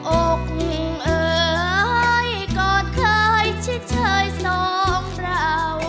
โอ้คุณเอ๋ยกอดเคยชิดเชยสองเรา